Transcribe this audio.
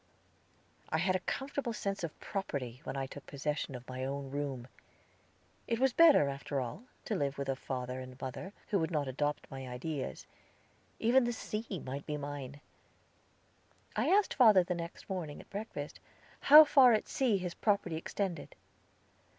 I had a comfortable sense of property, when I took possession of my own room. It was better, after all, to live with a father and mother, who would adopt my ideas. Even the sea might be mine. I asked father the next morning, at breakfast, how far out at sea his property extended.